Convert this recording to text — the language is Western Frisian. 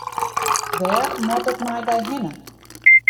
Wêr moat it mei dy hinne?